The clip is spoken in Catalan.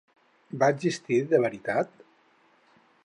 Va existir de veritat?